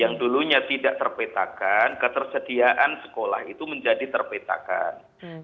yang dulunya tidak terpetakan ketersediaan sekolah itu menjadi terpetakan